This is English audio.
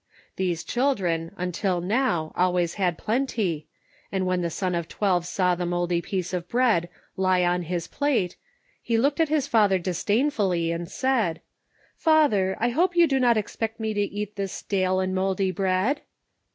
These children, until now, always had plenty, and when the son of twelve saw the mouldy piece of bread lie on his plate, he looked at his father disdainfully, and said :'' Father, I hope you do not expect me to eat this stale and mouldy bread